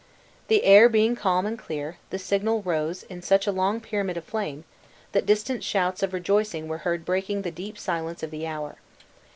The air being calm and clear, the signal rose in such a long pyramid of flame, that distant shouts of rejoicing were heard breaking the deep silence of the hour.